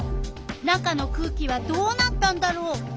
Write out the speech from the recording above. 中の空気はどうなったんだろう。